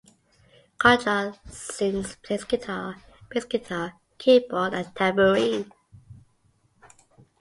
Cotillard sings, plays guitar, bass guitar, keyboard and tambourine.